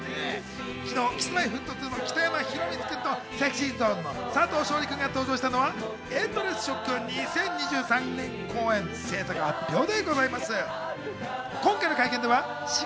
昨日、Ｋｉｓ−Ｍｙ−Ｆｔ２の北山宏光君とＳｅｘｙＺｏｎｅの佐藤勝利君が登場したのは『ＥｎｄｌｅｓｓＳＨＯＣＫ』２０２３年公演製作発表でございます。